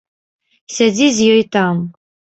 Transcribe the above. Сядзі з ёй там.